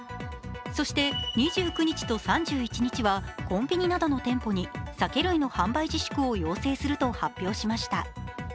そして、２９日と３１日はコンビニなどの店舗に酒類の販売自粛を要請すると発表しました。